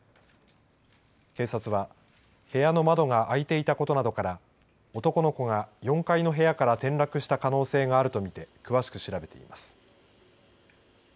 警察は、部屋の窓が開いていたことなどから男の子が４階の部屋から転落した可能性があると見て詳しく調べています。